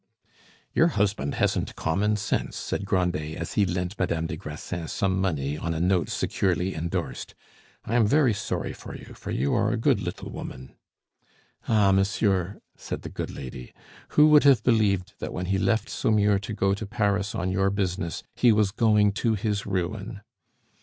"Your husband hasn't common sense," said Grandet as he lent Madame des Grassins some money on a note securely endorsed. "I am very sorry for you, for you are a good little woman." "Ah, monsieur," said the poor lady, "who could have believed that when he left Saumur to go to Paris on your business he was going to his ruin?"